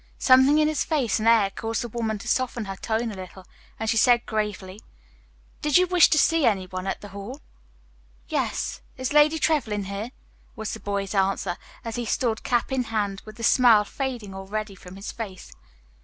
Something in his face and air caused the woman to soften her tone a little, as she said gravely, "Did you wish to see any one at the Hall?" "Yes. Is Lady Trevlyn here?" was the boy's answer, as he stood cap in hand, with the smile fading already from his face.